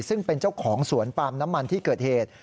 ซึ่งเป็นเจ้าของสวนปาล์มน้ำมันที่เกิดเหตุ